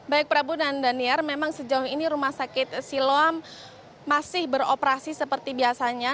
baik prabu dan daniar memang sejauh ini rumah sakit siloam masih beroperasi seperti biasanya